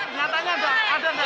ternyata enggak ada